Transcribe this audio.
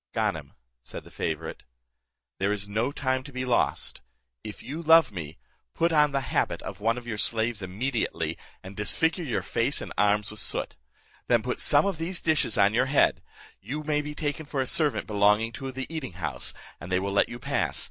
"Ganem," said the favourite, "there is no time to be lost; if you love me, put on the habit of one of your slaves immediately, and disfigure your face and arms with soot. Then put some of these dishes on your head; you may be taken for a servant belonging to the eating house, and they will let you pass.